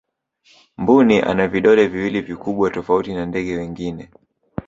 mbuni ana vidole viwili vikubwa tofauti na ndege wengine